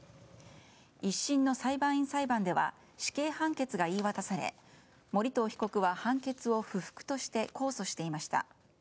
１審の裁判員裁判では死刑判決が言い渡され盛藤被告は判決を不服として控訴していました。